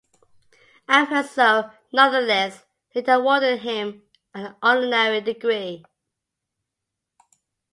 Amherst, though, nonetheless later awarded him an honorary degree.